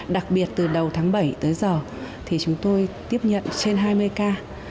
đặc biệt từ đầu tháng bảy tới giờ thì chúng tôi tiếp nhận trên hai mươi ca